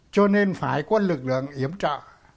cho nên phải có lực lượng hiểm trợ